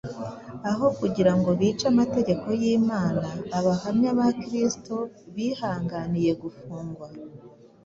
Aho kugira ngo bice amategeko y’Imana, abahamya ba Kristo bihanganiye gufungwa,